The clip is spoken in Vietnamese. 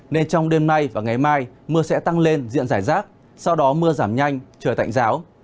nên trong đêm nay và ngày mai mưa sẽ tăng lên diện giải rác sau đó mưa giảm nhanh trời tạnh giáo